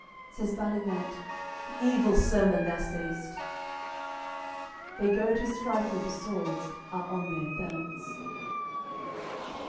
Says Baligant: "Evil sermon thou saist." They go to strikewith th'swords, are on their belts.